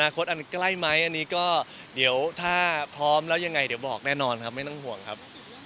อันใกล้ไหมอันนี้ก็เดี๋ยวถ้าพร้อมแล้วยังไงเดี๋ยวบอกแน่นอนครับไม่ต้องห่วงครับ